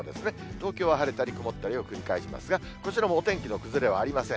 東京は晴れたり曇ったりを繰り返しますが、こちらもお天気の崩れはありません。